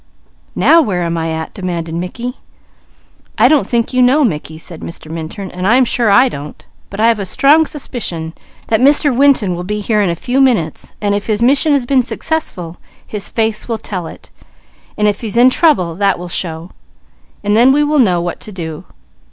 "Now where am I at?" demanded Mickey. "I don't think you know, Mickey," said Mr. Minturn, "and I am sure I don't, but I have a strong suspicion that Mr. Winton will be here in a few minutes, and if his mission has been successful, his face will tell it; and if he's in trouble, that will show; and then we will know what to do.